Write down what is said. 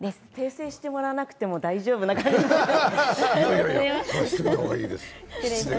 訂正してもらわなくても大丈夫な感じが。